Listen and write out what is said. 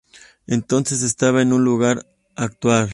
Entonces estaba en el lugar actual.